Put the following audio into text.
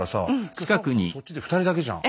そっちで２人だけじゃん。